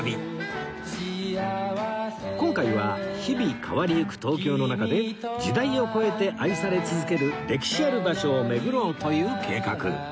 今回は日々変わりゆく東京の中で時代を超えて愛され続ける歴史ある場所を巡ろうという計画